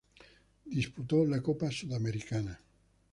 Disputó la Copa Sudamericana.